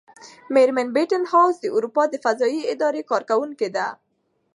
مېرمن بینتهاوس د اروپا د فضايي ادارې کارکوونکې ده.